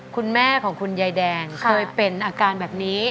คุณแม่ของคุณยายแดงเคยเป็นอาการแบบนี้